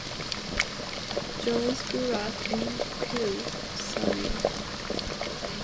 Jones grew up in Kew, Surrey.